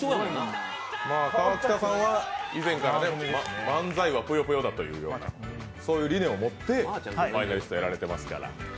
川北さんは以前から漫才はぷよぷよだとそういう理念を持ってファイナリストやられてますから。